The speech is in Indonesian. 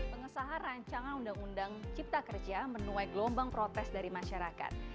pengesahan rancangan undang undang cipta kerja menuai gelombang protes dari masyarakat